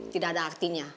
tidak ada artinya